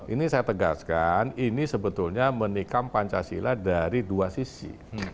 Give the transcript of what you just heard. ini saya tegaskan ini sebetulnya menikam pancasila dari dua sisi